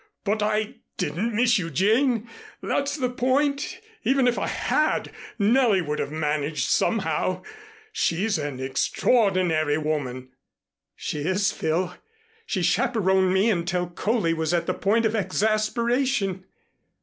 "But I didn't miss you, Jane. That's the point. Even if I had, Nellie would have managed somehow. She's an extraordinary woman." "She is, Phil. She chaperoned me until Coley was at the point of exasperation."